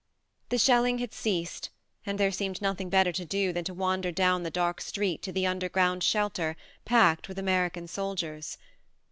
The shelling had ceased, and there THE MARNE 97 seemed nothing better to do than to wander down the dark street to the underground shelter packed with American soldiers.